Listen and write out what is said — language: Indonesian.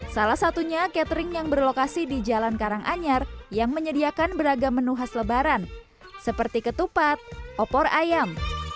salah satunya catering yang berlokasi di jalan karanganyar yang menyediakan beragam menu khas lebaran seperti ketupat opor ayam